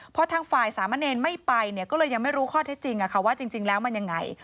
พอทางฝ่ายสามะเนรไม่ไปเนี่ยก็เลยยังไม่รู้ข้อเท็จจริงว่าจริงแล้วมันยังไง